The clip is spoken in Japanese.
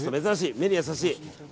目に優しい。